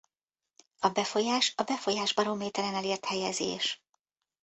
A befolyás a Befolyás-barométeren elért helyezés.